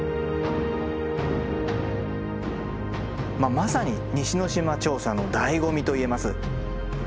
まさに西之島調査の醍醐味と言えます。